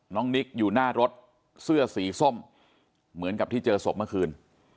นิกอยู่หน้ารถเสื้อสีส้มเหมือนกับที่เจอศพเมื่อคืน